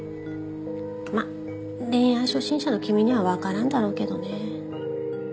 まあ恋愛初心者の君にはわからんだろうけどね。